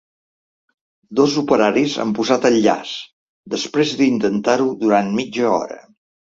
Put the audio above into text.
Dos operaris han posat el llaç després d’intentar-ho durant mitja hora.